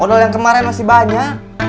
odol yang kemarin masih banyak